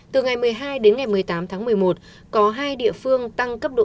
từ ngày một mươi hai một mươi tám một mươi một có hai địa phương tăng cấp độ dịch